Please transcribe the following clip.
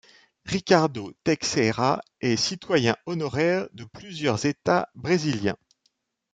Ricardo Teixeira est citoyen honoraire de plusieurs États brésiliens.